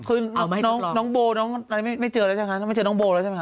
คือน้องโบไม่เจอใครใช่ไหมคะเห็นน้องโบแล้วใช่ไหมคะ